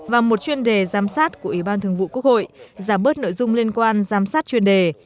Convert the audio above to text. và một chuyên đề giám sát của ủy ban thường vụ quốc hội giảm bớt nội dung liên quan giám sát chuyên đề